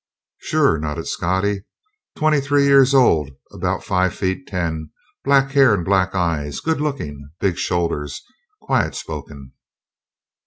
"Sure," nodded Scottie. "Twenty three years old, about five feet ten, black hair and black eyes, good looking, big shoulders, quiet spoken."